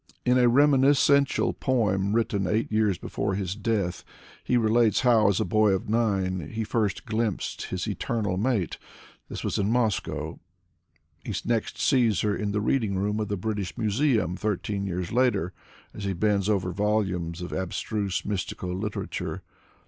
In a reminiscential poem written eight years before his death, he relates how, as a boy of nine, he first glimpsed his Eternal Mate. This was in Moscow; he next sees her in the reading room of the British Museum thir teen years later, as he bends over volumes of abstruse mystical literature.